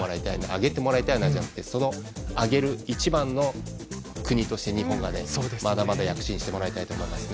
挙げてもらいたいじゃなくてその一番の国として日本がまだまだ躍進してもらいたいと思います。